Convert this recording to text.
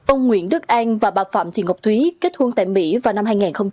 ông nguyễn đức an và bà phạm thị ngọc thúy kết hôn tại mỹ vào năm hai nghìn sáu